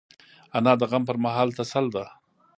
انا د غم پر مهال تسل ده